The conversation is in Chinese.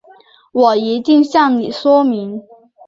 我一定向你说明